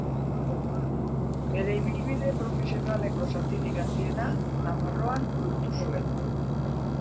Bere ibilbide profesionaleko zatirik handiena Nafarroan burutu zuen.